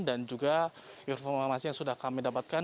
dan juga informasi yang sudah kami dapatkan